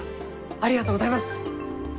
ありがとうございます！